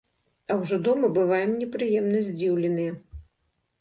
А ўжо дома бываем непрыемна здзіўленыя.